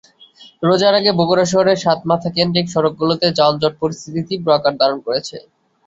রোজার আগেই বগুড়া শহরের সাতমাথাকেন্দ্রিক সড়কগুলোতে যানজট পরিস্থিতি তীব্র আকার ধারণ করেছে।